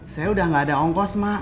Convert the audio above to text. saya udah gak ada ongkos mak